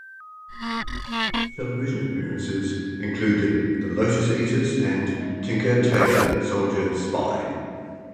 Walters' television appearances included "The Lotus Eaters" and "Tinker Tailor Soldier Spy".